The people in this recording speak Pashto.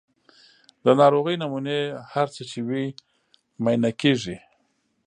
د ناروغۍ نمونې هر څه چې وي معاینه کیږي.